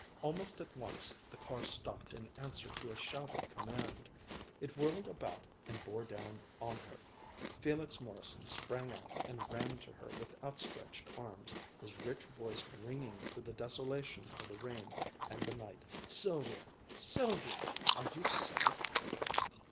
Almost at once the car stopped in answer to a shouted command; it whirled about and bore down on her. Felix Morrison sprang out and ran to her with outstretched arms, his rich voice ringing through the desolation of the rain and the night "Sylvia! Sylvia! Are you safe?"